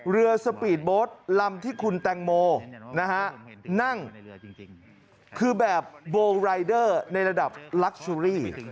เรือสปีดโบสต์ลำที่คุณแตงโมนะฮะนั่งคือแบบโบรายเดอร์ในระดับลักซูรี